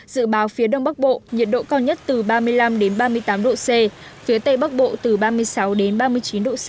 dự báo phía đông bắc bộ nhiệt độ cao nhất từ ba mươi năm ba mươi tám độ c phía tây bắc bộ từ ba mươi sáu đến ba mươi chín độ c